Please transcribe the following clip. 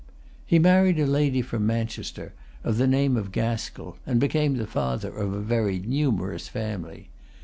He married a lady from Manchester, of the name of Gaskill, and became the father of a very numerous family.